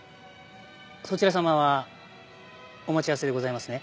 そちら様は？お待ち合わせでございますね。